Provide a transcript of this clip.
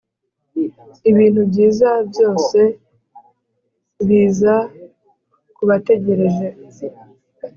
ibintu byiza byose biza kubategereje